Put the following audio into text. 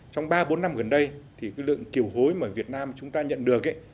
trong ba bốn năm gần đây thì cái lượng kiều hối mà việt nam chúng ta nhận được ấy